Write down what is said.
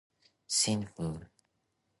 Sindhu.